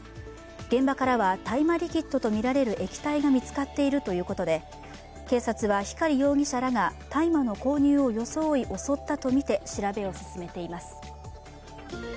現場からは大麻リキッドとみられる液体が見つかっているということで警察は光容疑者らが大麻の購入を装い襲ったとみて調べを進めています。